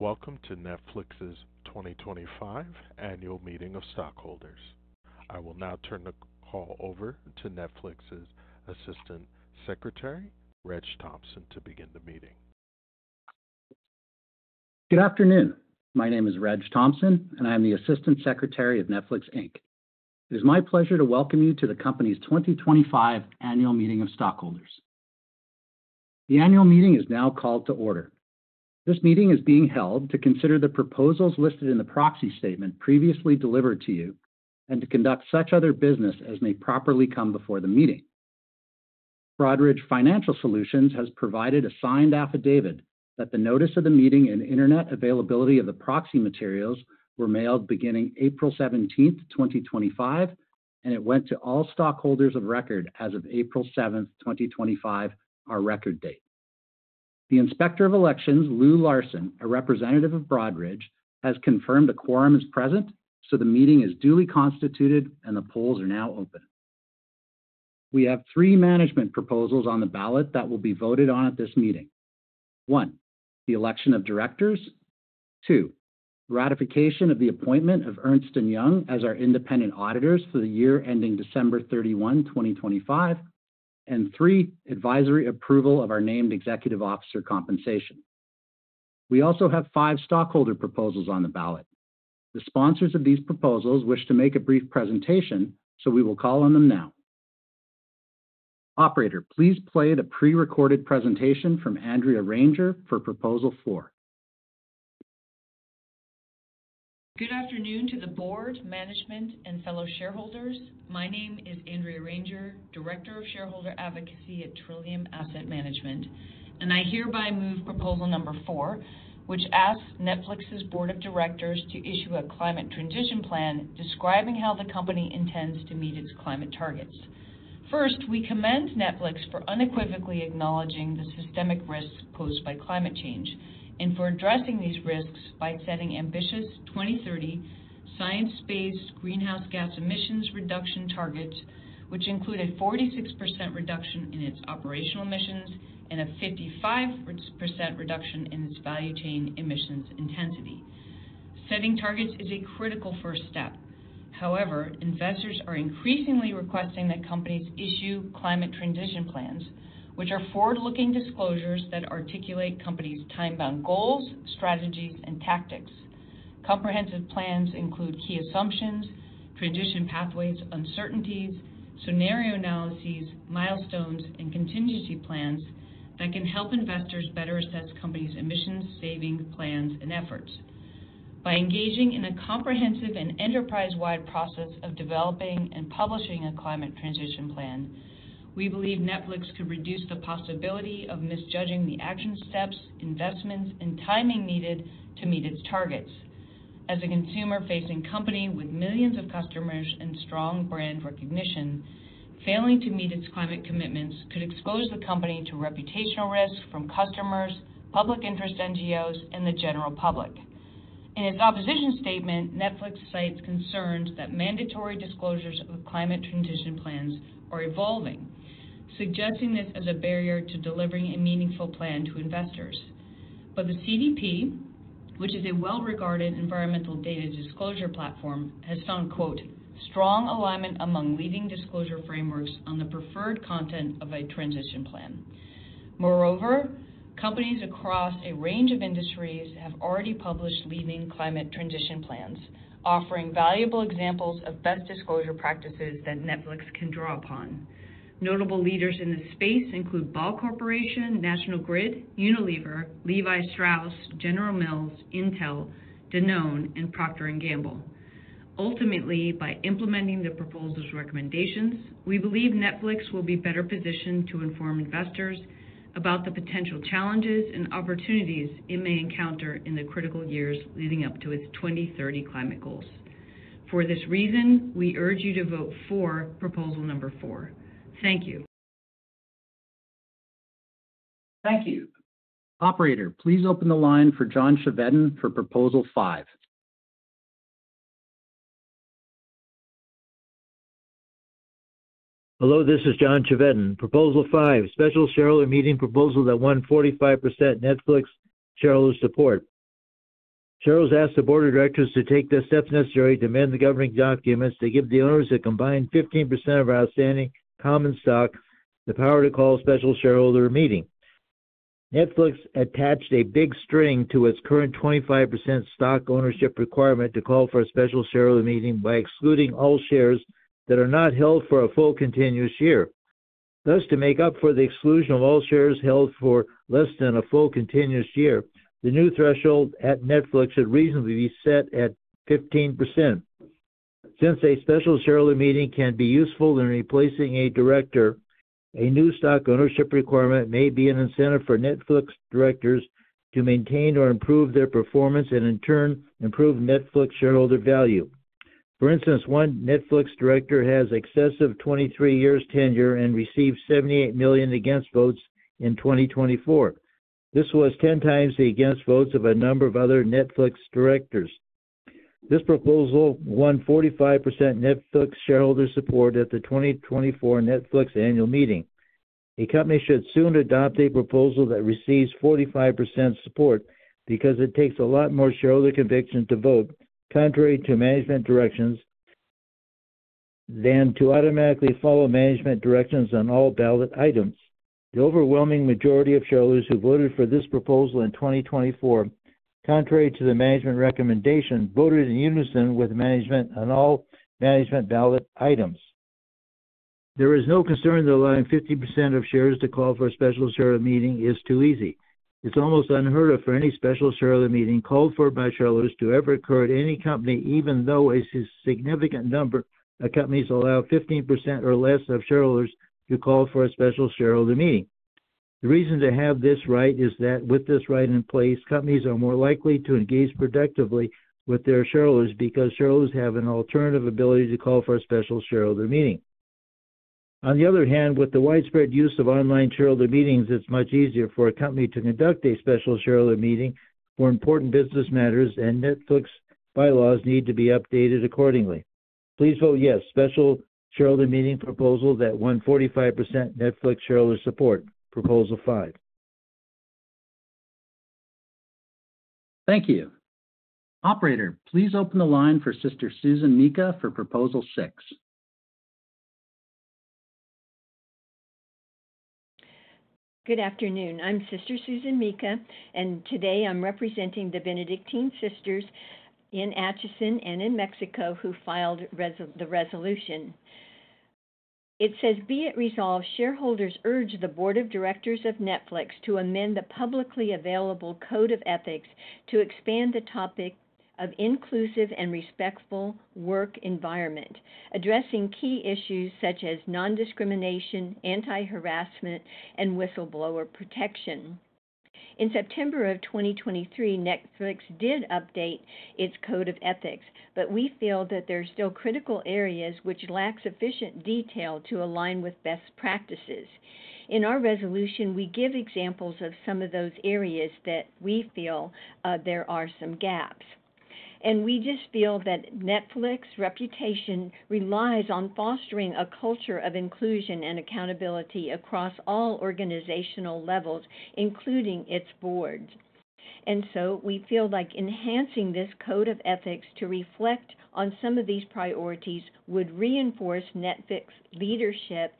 Welcome to Netflix's 2025 Annual Meeting of Stockholders. I will now turn the call over to Netflix's Assistant Secretary, Reg Thompson, to begin the meeting. Good afternoon. My name is Reg Thompson, and I am the Assistant Secretary of Netflix Inc. It is my pleasure to welcome you to the company's 2025 Annual Meeting of Stockholders. The Annual Meeting is now called to order. This meeting is being held to consider the proposals listed in the proxy statement previously delivered to you and to conduct such other business as may properly come before the meeting. Broadridge Financial Solutions has provided a signed affidavit that the notice of the meeting and internet availability of the proxy materials were mailed beginning April 17, 2025, and it went to all stockholders of record as of April 7, 2025, our record date. The Inspector of Elections, Lou Larson, a representative of Broadridge, has confirmed a quorum is present, so the meeting is duly constituted and the polls are now open. We have three management proposals on the ballot that will be voted on at this meeting. One, the election of directors. Two, ratification of the appointment of Ernst & Young as our independent auditors for the year ending December 31, 2025. Three, advisory approval of our named executive officer compensation. We also have five stockholder proposals on the ballot. The sponsors of these proposals wish to make a brief presentation, so we will call on them now. Operator, please play the pre-recorded presentation from Andrea Ranger for proposal four. Good afternoon to the board, management, and fellow shareholders. My name is Andrea Ranger, Director of Shareholder Advocacy at Trillium Asset Management, and I hereby move proposal number four, which asks Netflix's Board of Directors to issue a climate transition plan describing how the company intends to meet its climate targets. First, we commend Netflix for unequivocally acknowledging the systemic risks posed by climate change and for addressing these risks by setting ambitious 2030 science-based greenhouse gas emissions reduction targets, which include a 46% reduction in its operational emissions and a 55% reduction in its value chain emissions intensity. Setting targets is a critical first step. However, investors are increasingly requesting that companies issue climate transition plans, which are forward-looking disclosures that articulate companies' time-bound goals, strategies, and tactics. Comprehensive plans include key assumptions, transition pathways, uncertainties, scenario analyses, milestones, and contingency plans that can help investors better assess companies' emissions, saving plans, and efforts. By engaging in a comprehensive and enterprise-wide process of developing and publishing a climate transition plan, we believe Netflix could reduce the possibility of misjudging the action steps, investments, and timing needed to meet its targets. As a consumer-facing company with millions of customers and strong brand recognition, failing to meet its climate commitments could expose the company to reputational risk from customers, public interest NGOs, and the general public. In its opposition statement, Netflix cites concerns that mandatory disclosures of climate transition plans are evolving, suggesting this as a barrier to delivering a meaningful plan to investors. The CDP, which is a well-regarded environmental data disclosure platform, has found "strong alignment among leading disclosure frameworks on the preferred content of a transition plan." Moreover, companies across a range of industries have already published leading climate transition plans, offering valuable examples of best disclosure practices that Netflix can draw upon. Notable leaders in this space include Ball Corporation, National Grid, Unilever, Levi Strauss, General Mills, Intel, Danone, and Procter & Gamble. Ultimately, by implementing the proposal's recommendations, we believe Netflix will be better positioned to inform investors about the potential challenges and opportunities it may encounter in the critical years leading up to its 2030 climate goals. For this reason, we urge you to vote for proposal number four. Thank you. Thank you. Operator, please open the line for John Chevedden for proposal five. Hello, this is John Chevedin. Proposal five, special shareholder meeting proposal that won 45% Netflix shareholders' support. Shareholders ask the board of directors to take the steps necessary to amend the governing documents to give the owners a combined 15% of outstanding common stock the power to call a special shareholder meeting. Netflix attached a big string to its current 25% stock ownership requirement to call for a special shareholder meeting by excluding all shares that are not held for a full continuous year. Thus, to make up for the exclusion of all shares held for less than a full continuous year, the new threshold at Netflix should reasonably be set at 15%. Since a special shareholder meeting can be useful in replacing a director, a new stock ownership requirement may be an incentive for Netflix directors to maintain or improve their performance and, in turn, improve Netflix shareholder value. For instance, one Netflix director has excessive 23 years tenure and received 78 million against votes in 2024. This was 10 times the against votes of a number of other Netflix directors. This proposal won 45% Netflix shareholder support at the 2024 Netflix Annual Meeting. A company should soon adopt a proposal that receives 45% support because it takes a lot more shareholder conviction to vote contrary to management directions than to automatically follow management directions on all ballot items. The overwhelming majority of shareholders who voted for this proposal in 2024, contrary to the management recommendation, voted in unison with management on all management ballot items. There is no concern that allowing 50% of shares to call for a special shareholder meeting is too easy. It's almost unheard of for any special shareholder meeting called for by shareholders to ever occur at any company, even though a significant number of companies allow 15% or less of shareholders to call for a special shareholder meeting. The reason to have this right is that with this right in place, companies are more likely to engage productively with their shareholders because shareholders have an alternative ability to call for a special shareholder meeting. On the other hand, with the widespread use of online shareholder meetings, it's much easier for a company to conduct a special shareholder meeting for important business matters, and Netflix bylaws need to be updated accordingly. Please vote yes to the special shareholder meeting proposal that won 45% Netflix shareholder support, proposal five. Thank you. Operator, please open the line for Sister Susan Mika for proposal six. Good afternoon. I'm Sister Susan Mika, and today I'm representing the Benedictine Sisters in Atchison and in Mexico who filed the resolution. It says, "Be it resolved, shareholders urge the board of directors of Netflix to amend the publicly available code of ethics to expand the topic of inclusive and respectful work environment, addressing key issues such as non-discrimination, anti-harassment, and whistleblower protection." In September of 2023, Netflix did update its code of ethics, but we feel that there are still critical areas which lack sufficient detail to align with best practices. In our resolution, we give examples of some of those areas that we feel there are some gaps. We just feel that Netflix's reputation relies on fostering a culture of inclusion and accountability across all organizational levels, including its boards. We feel like enhancing this code of ethics to reflect on some of these priorities would reinforce Netflix's leadership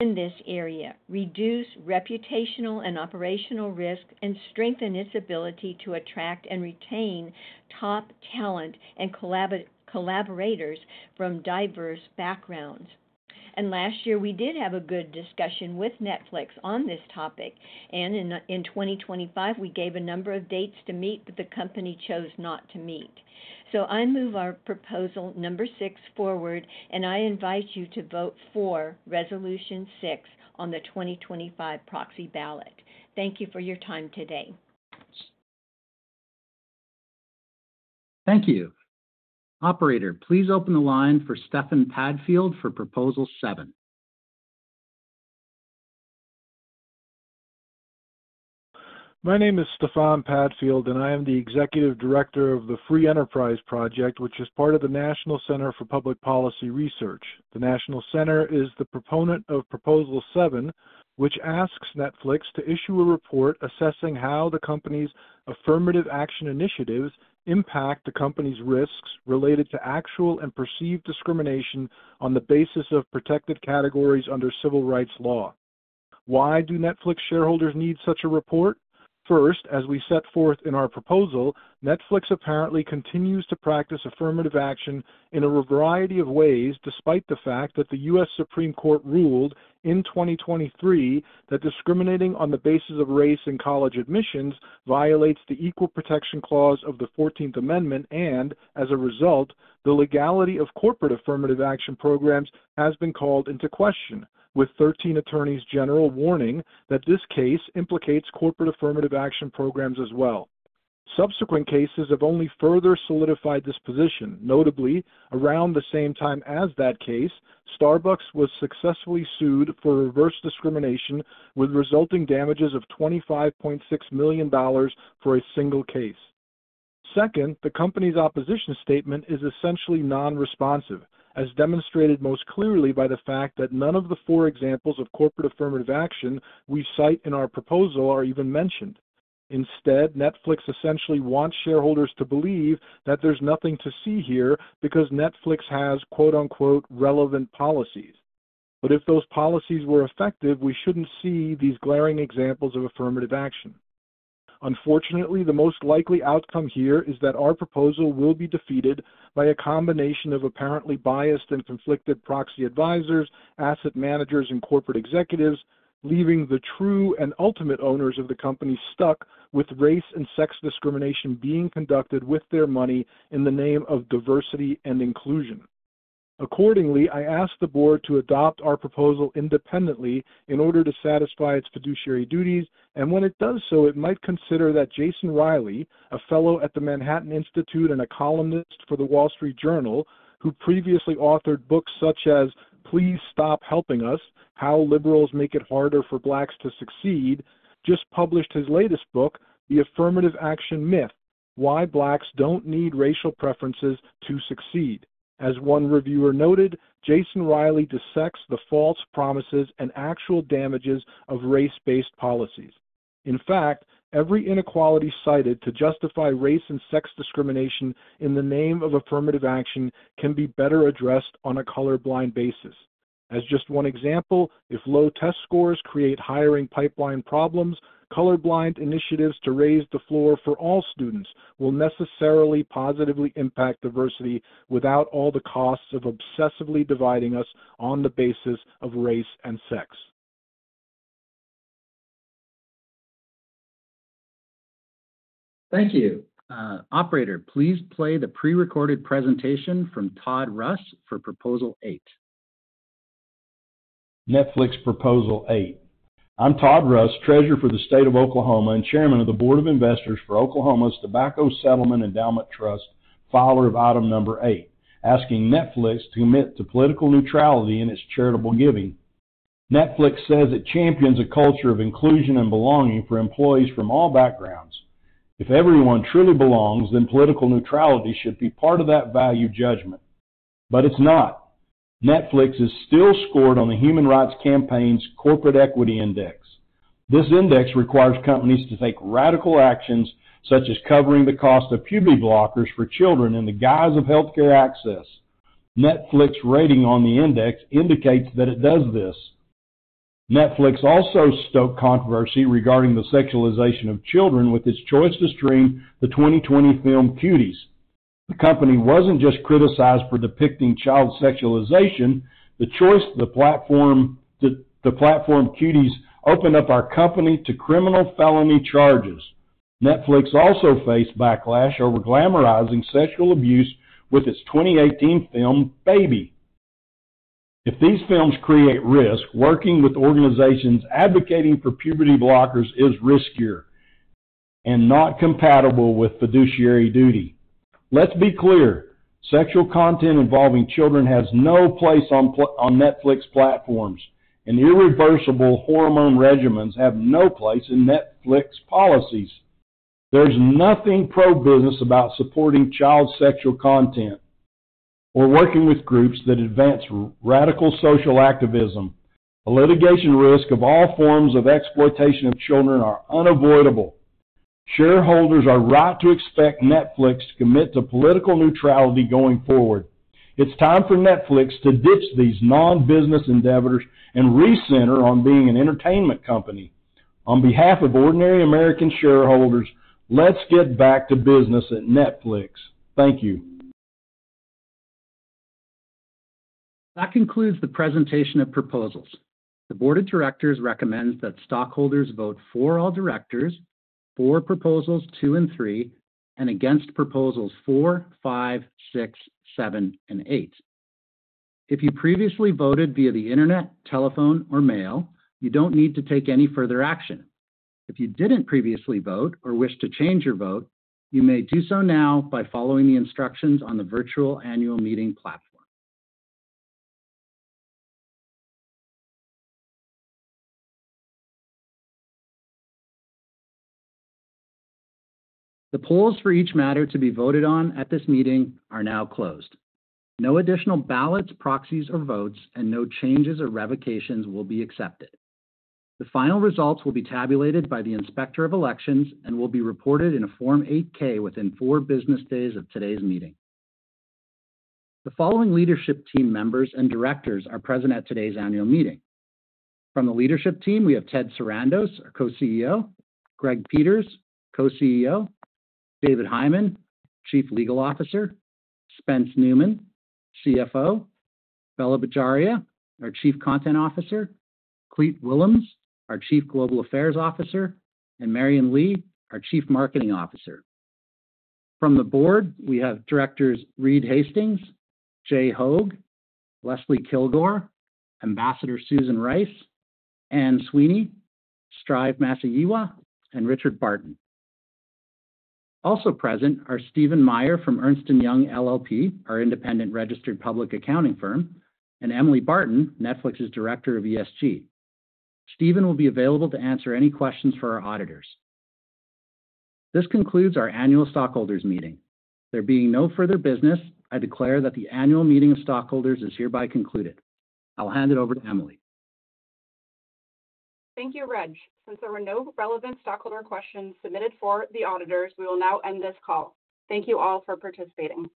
in this area, reduce reputational and operational risk, and strengthen its ability to attract and retain top talent and collaborators from diverse backgrounds. Last year, we did have a good discussion with Netflix on this topic, and in 2025, we gave a number of dates to meet, but the company chose not to meet. I move our proposal number six forward, and I invite you to vote for resolution six on the 2025 proxy ballot. Thank you for your time today. Thank you. Operator, please open the line for Stefan Padfield for proposal seven. My name is Stefan Padfield, and I am the Executive Director of the Free Enterprise Project, which is part of the National Center for Public Policy Research. The National Center is the proponent of proposal seven, which asks Netflix to issue a report assessing how the company's affirmative action initiatives impact the company's risks related to actual and perceived discrimination on the basis of protected categories under civil rights law. Why do Netflix shareholders need such a report? First, as we set forth in our proposal, Netflix apparently continues to practice affirmative action in a variety of ways despite the fact that the U.S. Supreme Court ruled in 2023 that discriminating on the basis of race in college admissions violates the Equal Protection Clause of the 14th Amendment, and as a result, the legality of corporate affirmative action programs has been called into question, with 13 attorneys general warning that this case implicates corporate affirmative action programs as well. Subsequent cases have only further solidified this position. Notably, around the same time as that case, Starbucks was successfully sued for reverse discrimination with resulting damages of $25.6 million for a single case. Second, the company's opposition statement is essentially non-responsive, as demonstrated most clearly by the fact that none of the four examples of corporate affirmative action we cite in our proposal are even mentioned. Instead, Netflix essentially wants shareholders to believe that there's nothing to see here because Netflix has "relevant policies." If those policies were effective, we shouldn't see these glaring examples of affirmative action. Unfortunately, the most likely outcome here is that our proposal will be defeated by a combination of apparently biased and conflicted proxy advisors, asset managers, and corporate executives, leaving the true and ultimate owners of the company stuck with race and sex discrimination being conducted with their money in the name of diversity and inclusion. Accordingly, I ask the board to adopt our proposal independently in order to satisfy its fiduciary duties, and when it does so, it might consider that Jason Riley, a fellow at the Manhattan Institute and a columnist for the Wall Street Journal, who previously authored books such as Please Stop Helping Us: How Liberals Make It Harder for Blacks to Succeed, just published his latest book, The Affirmative Action Myth: Why Blacks Don't Need Racial Preferences to Succeed. As one reviewer noted, Jason Riley dissects the false promises and actual damages of race-based policies. In fact, every inequality cited to justify race and sex discrimination in the name of affirmative action can be better addressed on a colorblind basis. As just one example, if low test scores create hiring pipeline problems, colorblind initiatives to raise the floor for all students will necessarily positively impact diversity without all the costs of obsessively dividing us on the basis of race and sex. Thank you. Operator, please play the pre-recorded presentation from Todd Russ for proposal eight. Netflix Proposal Eight. I'm Todd Russ, Treasurer for the state of Oklahoma and Chairman of the Board of Investors for Oklahoma's Tobacco Settlement Endowment Trust, follower of item number eight, asking Netflix to commit to political neutrality in its charitable giving. Netflix says it champions a culture of inclusion and belonging for employees from all backgrounds. If everyone truly belongs, then political neutrality should be part of that value judgment. It is not. Netflix is still scored on the Human Rights Campaign's Corporate Equality Index. This index requires companies to take radical actions such as covering the cost of puberty blockers for children in the guise of healthcare access. Netflix rating on the index indicates that it does this. Netflix also stoked controversy regarding the sexualization of children with its choice to stream the 2020 film Cuties. The company wasn't just criticized for depicting child sexualization. The choice, the platform Cuties, opened up our company to criminal felony charges. Netflix also faced backlash over glamorizing sexual abuse with its 2018 film Baby. If these films create risk, working with organizations advocating for puberty blockers is riskier and not compatible with fiduciary duty. Let's be clear, sexual content involving children has no place on Netflix platforms, and irreversible hormone regimens have no place in Netflix policies. There's nothing pro-business about supporting child sexual content or working with groups that advance radical social activism. The litigation risk of all forms of exploitation of children is unavoidable. Shareholders are right to expect Netflix to commit to political neutrality going forward. It's time for Netflix to ditch these non-business endeavors and recenter on being an entertainment company. On behalf of ordinary American shareholders, let's get back to business at Netflix. Thank you. That concludes the presentation of proposals. The board of directors recommends that stockholders vote for all directors, for proposals two and three, and against proposals four, five, six, seven, and eight. If you previously voted via the internet, telephone, or mail, you don't need to take any further action. If you didn't previously vote or wish to change your vote, you may do so now by following the instructions on the virtual annual meeting platform. The polls for each matter to be voted on at this meeting are now closed. No additional ballots, proxies, or votes, and no changes or revocations will be accepted. The final results will be tabulated by the inspector of elections and will be reported in a Form 8-K within four business days of today's meeting. The following leadership team members and directors are present at today's annual meeting. From the leadership team, we have Ted Sarandos, our Co-CEO, Greg Peters, Co-CEO, David Hyman, Chief Legal Officer, Spence Neumann, CFO, Bella Bajaria, our Chief Content Officer, Cliff Willems, our Chief Global Affairs Officer, and Marion Lee, our Chief Marketing Officer. From the board, we have directors Reed Hastings, Jay Hoag, Leslie Kilgore, Ambassador Susan Rice, Anne Sweeney, Strive Masiyiwa, and Richard Barton. Also present are Steven Meyer from Ernst & Young, our independent registered public accounting firm, and Emily Barton, Netflix's Director of ESG. Steven will be available to answer any questions for our auditors. This concludes our annual stockholders meeting. There being no further business, I declare that the annual meeting of stockholders is hereby concluded. I'll hand it over to Emily. Thank you, Reg. Since there were no relevant stockholder questions submitted for the auditors, we will now end this call. Thank you all for participating.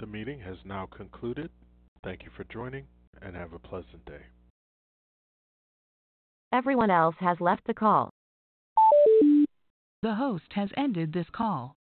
The meeting has now concluded. Thank you for joining, and have a pleasant day. Everyone else has left the call. The host has ended this call. Good.